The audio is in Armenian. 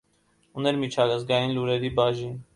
Ուներ միջազգային լուրերի բաժին։